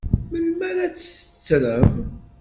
Melmi ara tt-tettrem?